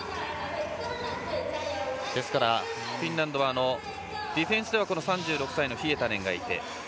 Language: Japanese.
フィンランドはディフェンスでは３６歳のヒエタネンがいて。